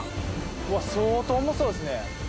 うわっ相当重そうですね。